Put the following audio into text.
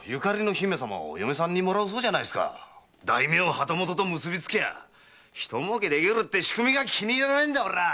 大名旗本と結びつきゃ一儲けできる仕組みが気に入らねえ！